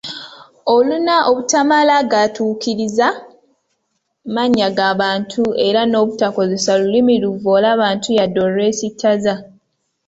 Oluna obutamala gaatuukiriza mannya ga bantu era n’obutakozesa lulimi luvvoola bantu yadde olwesittaza.